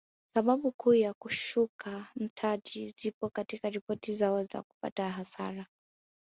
Sababu kuu ya kushuka mtaji zipo katika ripoti zao za kupata hasara